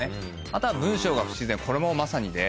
あとは文章が不自然これもまさにで。